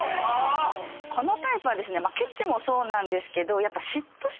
このタイプはですねケチもそうなんですけど。